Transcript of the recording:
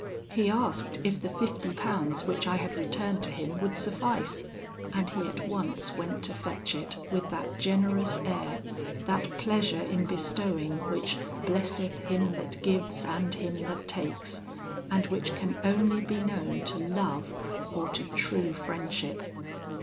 He asked if the fifty pounds which I had returned to him would suffice, and he at once went to fetch it with that generous air, that pleasure in bestowing which 'blesseth him that gives, and him that takes,' and which can only be known to love or to true friendship.